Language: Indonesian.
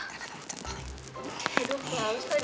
eh jangan gak usah